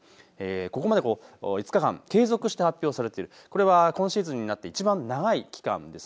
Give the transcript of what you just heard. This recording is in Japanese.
ここまで５日間継続して発表されている、これは今シーズンになっていちばん長い期間です。